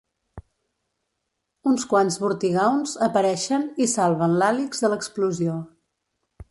Uns quants Vortigaunts apareixen i salven l'Alyx de l'explosió.